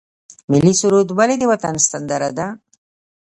ملي سرود ولې د وطن سندره ده؟